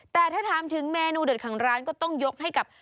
แต่ถ้าถามถึงเมนูเด็ดของร้านก็ต้องยกให้กับ